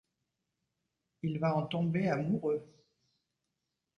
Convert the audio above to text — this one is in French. Il va en tomber amoureux…